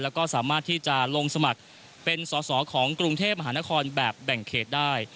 แล้วก็สามารถที่จะลงสมัครเป็นสอสอของกรุงเทพมหานครแบบแบ่งเขตได้